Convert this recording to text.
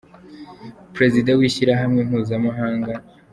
Perezida w’ishyirahamwe mpuzamahanga.